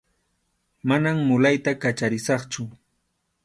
Manam mulayta kacharisaqchu.